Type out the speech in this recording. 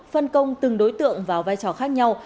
phân công từng đối tượng vào vai trò khác nhau